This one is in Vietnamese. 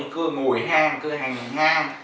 cư ngồi hang cư hành hang